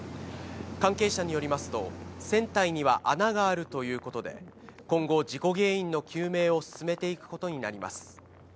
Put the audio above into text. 関係者によりますと、船体には穴があるということで、今後、事故原因の究明を進めていくことになります。